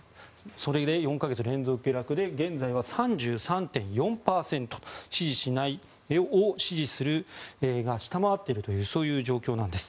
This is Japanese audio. それが４か月連続下落で現在は３３．４％支持しないを、支持するが下回っているという状況なんです。